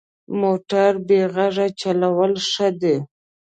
موټر بې غږه چلول ښه دي.